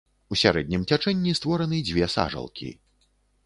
У сярэднім цячэнні створаны дзве сажалкі.